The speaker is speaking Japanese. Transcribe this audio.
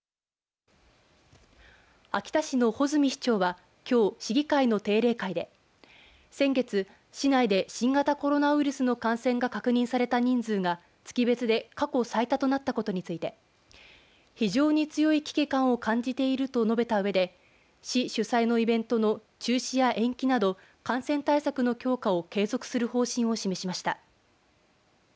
秋田市の穂積市長はきょう、市議会の定例会で先月、市内で新型コロナウイルスの感染が確認された人数が月別で過去最多となったことについて非常に強い危機感を感じていると述べたうえで市主催のイベントの中止や延期など感染対策の強化を継続する方針を示しました。